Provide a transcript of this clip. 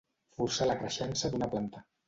Forçar la creixença d'una planta.